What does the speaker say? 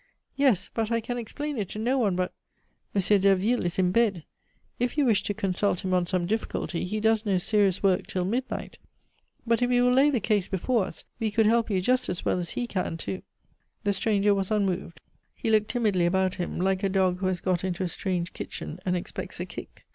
"Yes, but I can explain it to no one but " "M. Derville is in bed; if you wish to consult him on some difficulty, he does no serious work till midnight. But if you will lay the case before us, we could help you just as well as he can to " The stranger was unmoved; he looked timidly about him, like a dog who has got into a strange kitchen and expects a kick.